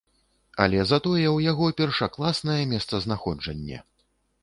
Але, затое ў яго першакласнае месцазнаходжанне.